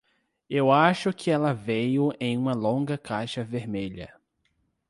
Eu acho que ela veio em uma longa caixa vermelha.